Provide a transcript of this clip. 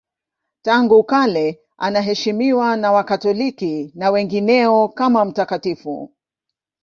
Tangu kale anaheshimiwa na Wakatoliki na wengineo kama mtakatifu.